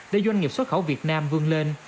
doanh nghiệp xuất khẩu việt nam vươn lên